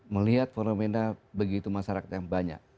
melihat fenomena begitu masyarakat yang banyak